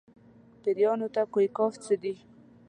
پېریانو ته کوه قاف څه دي.